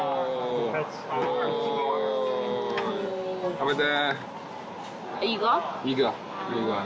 食べて。